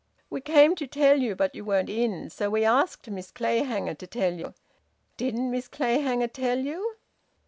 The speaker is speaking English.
We came to tell you, but you weren't in. So we asked Miss Clayhanger to tell you. Didn't Miss Clayhanger tell you?"